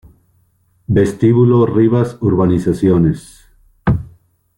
Vestíbulo Rivas-Urbanizaciones